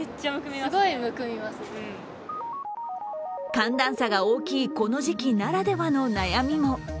寒暖差が大きいこの時期ならではの悩みも。